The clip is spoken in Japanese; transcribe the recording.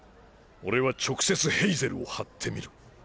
俺は直接ヘイゼルを張ってみる。